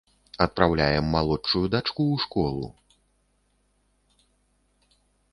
Адпраўляем малодшую дачку ў школу.